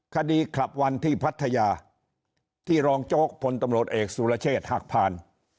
คดีคลับวันที่พัทยาที่รองโจ๊กพลตำรวจเอกสุรเชษฐ์หักพาน